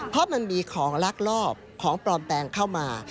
เพราะมันมีของลักลอบของปลอมแปลงเข้ามา